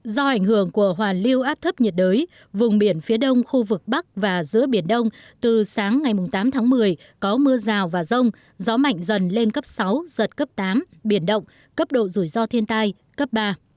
do ảnh hưởng của hoàn lưu áp thấp nhiệt đới vùng biển phía đông khu vực bắc và giữa biển đông từ sáng ngày tám tháng một mươi có mưa rào và rông gió mạnh dần lên cấp sáu giật cấp tám biển động cấp độ rủi ro thiên tai cấp ba